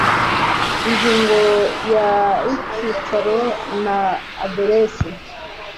ingingo ya icyicaro n aderesi